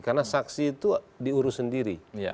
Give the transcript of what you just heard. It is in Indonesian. karena saksi itu diurus sendiri